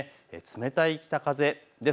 冷たい北風です。